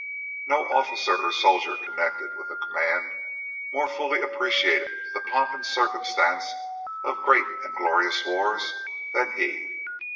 No officer or soldier connected with the command more fully appreciated "The pomp and circumstance of great and glorious war" than he.